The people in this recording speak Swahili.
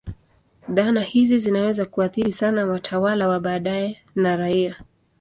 Dhana hizi zinaweza kuathiri sana watawala wa baadaye na raia.